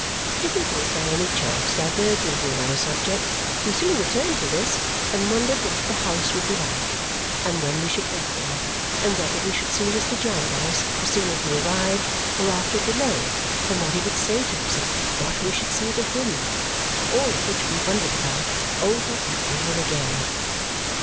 If we did by any chance diverge into another subject, we soon returned to this, and wondered what the house would be like, and when we should get there, and whether we should see Mr. Jarndyce as soon as we arrived or after a delay, and what he would say to us, and what we should say to him. All of which we wondered about, over and over again.